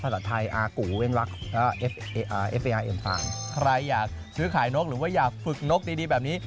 ซื้อขายนกหรืออย่าฝึกนกดีแบบนี้